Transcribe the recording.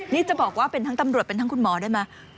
นี่จะบอกว่าเป็นทั้งตำรวจเป็นทั้งคุณหมอได้ไหม